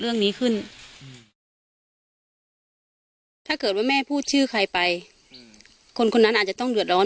เรื่องนี้ขึ้นถ้าเกิดว่าแม่พูดชื่อใครไปคนคนนั้นอาจจะต้องเดือดร้อน